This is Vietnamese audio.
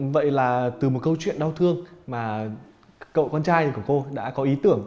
vậy là từ một câu chuyện đau thương mà cậu con trai của cô đã có ý tưởng